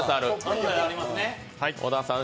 小田さん